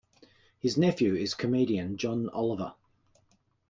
His nephew is comedian John Oliver.